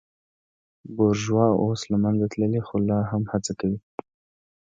بورژوا اوس له منځه تللې خو لا هم هڅه کوي.